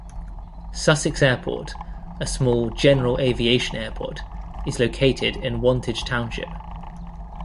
Sussex Airport, a small general aviation airport, is located in Wantage Township.